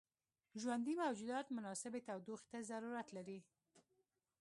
ژوندي موجودات مناسبې تودوخې ته ضرورت لري.